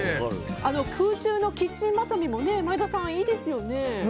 空中のキッチンばさみも前田さん、いいですね。